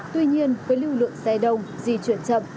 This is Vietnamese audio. tuy nhiên với lưu lượng xe đông di chuyển chậm